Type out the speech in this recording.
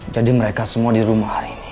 jadi mereka semua di rumah hari ini